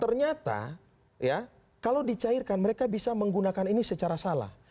ternyata ya kalau dicairkan mereka bisa menggunakan ini secara salah